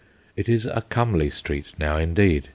It is a comely street now, indeed.